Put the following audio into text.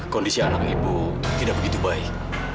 kondisi anak ibu tidak begitu baik